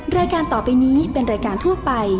รายการต่อไปนี้เป็นรายการทั่วไป